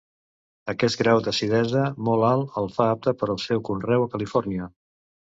Aquest grau d'acidesa, molt alt, el fa apte per al seu conreu a Califòrnia.